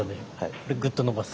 これぐっと伸ばす。